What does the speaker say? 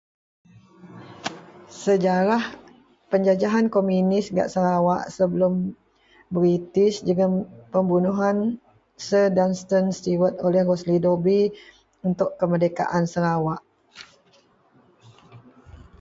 Sejarah penjajahan komunis gak sarawak sebelum british jegum pembunuhan sir donstan steward oleh rosly dobi untuk kemerdekaan sarawak